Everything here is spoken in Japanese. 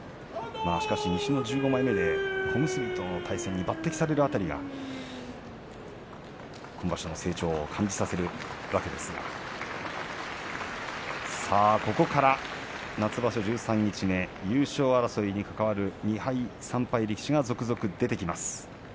西の１５枚目で小結との対戦に抜てきされる辺りが今場所の成長を感じさせるわけですがここから夏場所、十三日目優勝争いに関わる２敗３敗力士が続々出てきます。